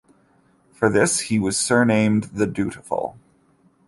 For this, he was surnamed "the Dutiful".